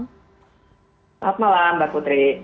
selamat malam mbak putri